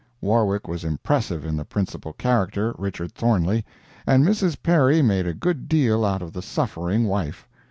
Warwick was impressive in the principal character, Richard Thornley; and Mrs. Perry made a good deal out of the suffering wife.